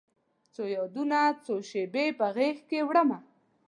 څو یادونه، څو شیبې په غیږکې وړمه